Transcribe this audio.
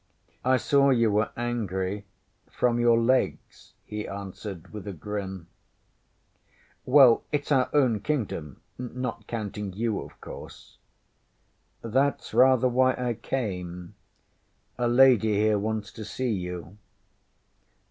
ŌĆÖ ŌĆśI saw you were angry from your legs, ŌĆÖ he answered with a grin. ŌĆśWell, itŌĆÖs our own Kingdom not counting you, of course. ŌĆÖ ŌĆśThatŌĆÖs rather why I came. A lady here wants to see you.